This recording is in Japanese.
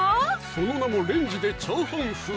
その名もレンジでチャーハン風！